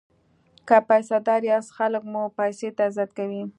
که پیسه داره یاست خلک مو پیسو ته عزت کوي.